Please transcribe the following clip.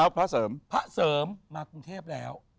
พระเสริมมากรุงเทพฯแล้ว